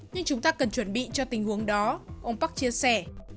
nhưng chúng ta cần chuẩn bị cho tình huống đó ông park chia sẻ